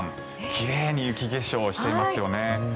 奇麗に雪化粧していますよね。